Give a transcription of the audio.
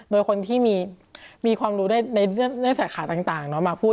โดยคนที่มีความรู้ในสาขาต่างมาพูด